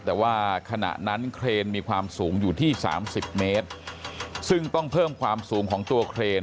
แต่ว่าขณะนั้นเครนมีความสูงอยู่ที่สามสิบเมตรซึ่งต้องเพิ่มความสูงของตัวเครน